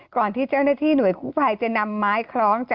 ก่อนที่เจ้าหน้าที่หน่วยคู่ภัยจะนำไม้คล้อง